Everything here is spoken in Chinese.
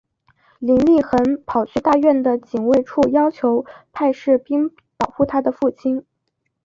林立衡跑去大院的警卫处要求派士兵保护她的父亲。